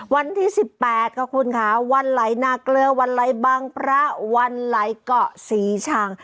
วันที่๑๘ค่ะคุณค่ะวันไหลนาเกลือวันไหลบางพระวันไหลเกาะศรีชัง